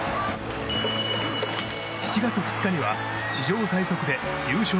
７月２日には史上最速で優勝